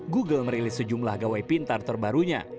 google merilis sejumlah gawai pintar terbarunya